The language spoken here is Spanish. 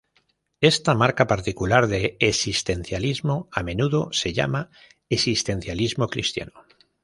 Esta marca particular de existencialismo a menudo se llama existencialismo cristiano.